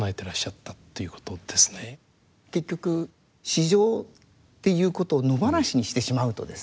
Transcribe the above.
結局市場っていうことを野放しにしてしまうとですね